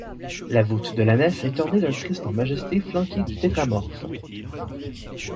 La voûte de la nef est ornée d'un christ en majesté flanqué du tétramorphe.